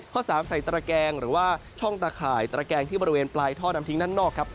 ข้อ๓ใส่ตระแกงหรือว่าช่องตะข่ายตระแกงที่บริเวณปลายท่อนำทิ้งด้านนอกครับ